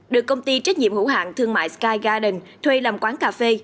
được công ty trách nhiệm hữu hạng thương mại sky garden thuê làm quán cà phê